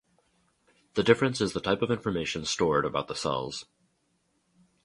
The difference is the type of information stored about the cells.